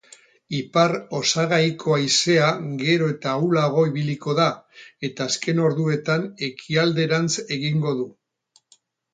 Ipar-osagaiko haizea gero eta ahulago ibiliko da eta azken orduetan ekialderantz egingo du.